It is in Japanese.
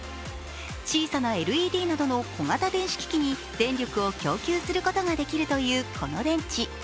小さなＬＥＤなどの小型電子機器に電力を供給することができるというこの電池。